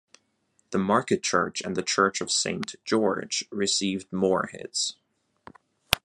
The Market Church and the Church of Saint George received more hits.